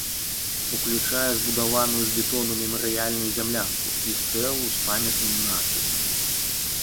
Уключае збудаваную з бетону мемарыяльную зямлянку і стэлу з памятным надпісам.